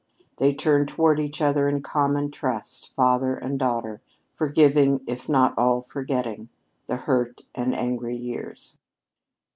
They turned toward each other in common trust, father and daughter, forgiving, if not all forgetting, the hurt and angry years.